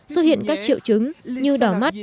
xuất hiện các triệu chứng như đỏ mắt